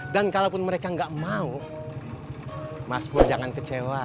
dan kalaupun mereka enggak mau mas pur jangan kecewa